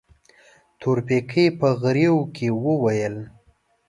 تورپيکۍ په غريو کې وويل.